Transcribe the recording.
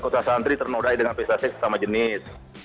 kota santri ternodai dengan pesta sex sama jenis